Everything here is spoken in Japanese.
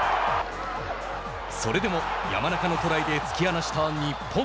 それでも山中のトライで突き放した日本。